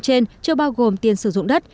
trên chưa bao gồm tiền sử dụng đất